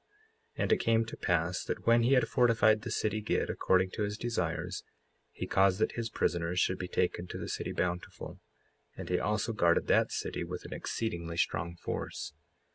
55:26 And it came to pass that when he had fortified the city Gid, according to his desires, he caused that his prisoners should be taken to the city Bountiful; and he also guarded that city with an exceedingly strong force.